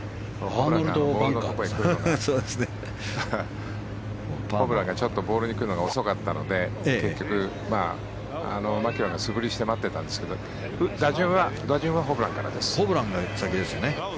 ホブランがちょっとボールが来るのが遅かったので結局、マキロイが素振りをして待ってたんですけど打順はホブランからです。